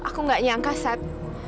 aku gak nyangka sat